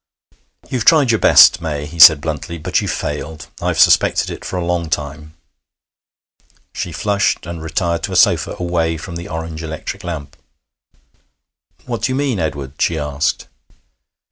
'You've tried your best, May,' he said bluntly, 'but you've failed. I've suspected it for a long time.' She flushed, and retired to a sofa, away from the orange electric lamp. 'What do you mean, Edward?' she asked.